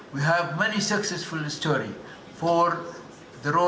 kami memiliki banyak kisah yang berhasil